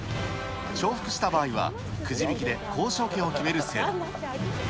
重複した場合は、くじ引きで交渉権を決める制度。